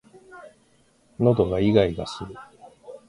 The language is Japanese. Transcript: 喉がいがいがする